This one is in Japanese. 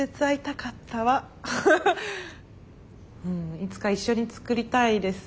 いつか一緒に作りたいです。